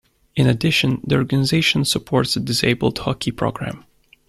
In addition, the organization supports a disabled hockey program.